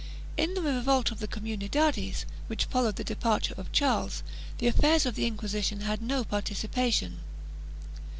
In the revolt of the Qomunldades, which followed the departure of Charles, the affairs of the Inquisition had no participation.